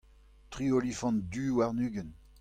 tri olifant du warn-ugent.